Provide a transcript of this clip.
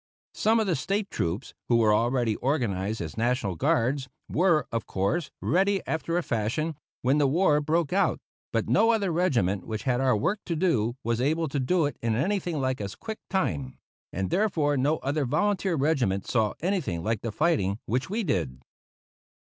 Some of the State troops, who were already organized as National Guards, were, of course, ready, after a fashion, when the war broke out; but no other regiment which had our work to do was able to do it in anything like as quick time, and therefore no other volunteer regiment saw anything like the fighting which we did.